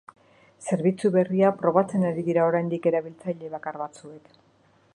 Zerbitzu berria probatzen ari dira oraindik erabiltzaile bakar batzuek.